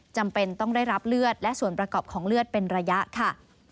จำเป็นต้องได้รับเลือดและส่วนประกอบของเลือดเป็นระยะค่ะ